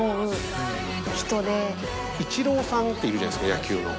イチローさんっているじゃないですか野球の。